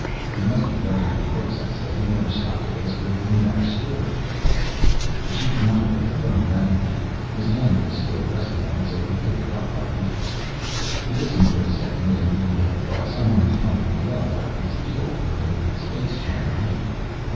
"He must be brighter than he looks," I said. "He never stopped to ask where Greenback's store is." The Chief nodded and the phone rang again. His hand was still resting on it so he picked it up by reflex. He listened for a second and you would have thought someone was pumping blood out of his heel from the way his face turned white.